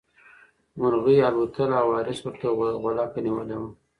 مرغۍ الوتله او وارث ورته غولکه نیولې وه.